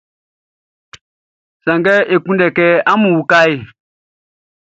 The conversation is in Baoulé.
Sanngɛ e kunndɛ kɛ amun uka e.